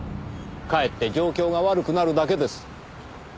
かえって状況が悪くなるだけです。